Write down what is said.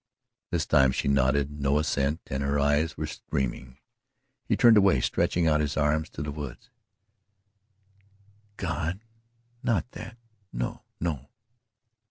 This time she nodded no assent and her eyes were streaming. He turned away stretching out his arms to the woods. "God! Not that no no!"